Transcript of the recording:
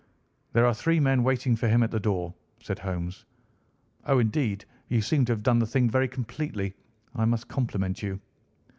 "There are three men waiting for him at the door," said Holmes. "Oh, indeed! You seem to have done the thing very completely. I must compliment you."